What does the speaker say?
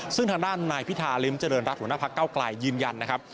ซึ่งทางด้านนายพิธาริมเจริญรัฐหัวหน้าพักเก้าไกลยืนยันนะครับ